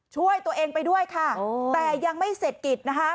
ช่วยตัวเองไปด้วยค่ะแต่ยังไม่เสร็จกิจนะคะ